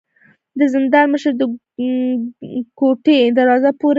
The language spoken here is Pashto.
د زندان مشر د کوټې دروازه پورې کړه.